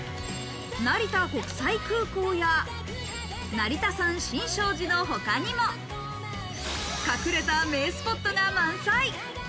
成田国際空港や、成田山新勝寺のほかにも、隠れた名スポットが満載。